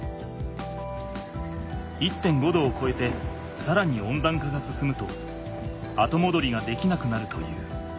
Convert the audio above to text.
℃をこえてさらに温暖化が進むとあともどりができなくなるという。